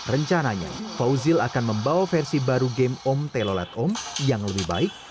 rencananya fauzil akan membawa versi baru game om telolet om yang lebih baik